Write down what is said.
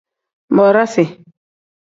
Bodasi.